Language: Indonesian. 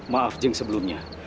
maaf jeng sebelumnya